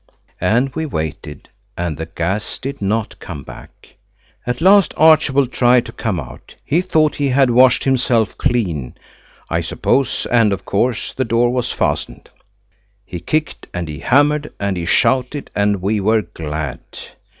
And we waited, and the gas did not come back. At last Archibald tried to come out–he thought he had washed himself clean, I suppose–and of course the door was fastened. He kicked and he hammered and he shouted, and we were glad.